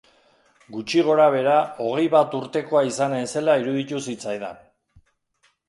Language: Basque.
Gutxi gorabehera hogei bat urtekoa izanen zela iruditu zitzaidan.